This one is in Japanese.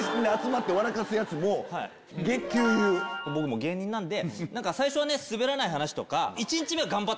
僕も芸人なんで。